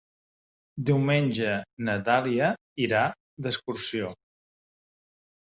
Diumenge na Dàlia irà d'excursió.